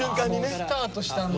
スタートしたんだ。